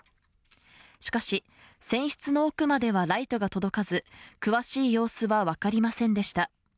しかし船室の奥まではライトが届かず詳しい様子は分かりませんでした